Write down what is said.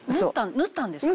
縫ったんですか？